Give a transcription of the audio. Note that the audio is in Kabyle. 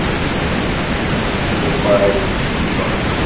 Nemmesmuqal nekk d gma.